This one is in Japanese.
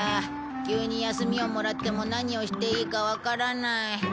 急に休みをもらっても何をしていいかわからない。